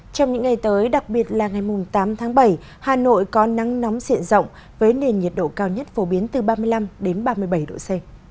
trong những ngày tới đặc biệt là ngày tám tháng bảy hà nội có nắng nóng diện rộng với nền nhiệt độ cao nhất phổ biến từ ba mươi năm ba mươi bảy độ c